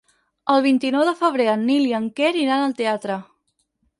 El vint-i-nou de febrer en Nil i en Quer iran al teatre.